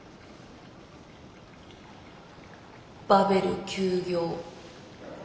バベル休業。